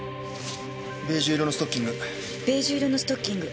ベージュ色のストッキング。